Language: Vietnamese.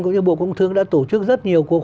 cũng như bộ công thương đã tổ chức rất nhiều cuộc